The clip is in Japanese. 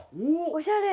おしゃれ！